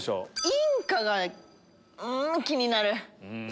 インカが気になる！